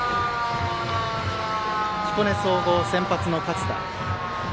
彦根総合、先発の勝田。